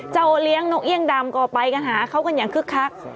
เลี้ยงนกเอี่ยงดำก็ไปกันหาเขากันอย่างคึกคัก